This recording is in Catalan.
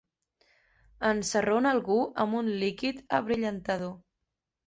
Ensarrona algú amb un líquid abrillantador.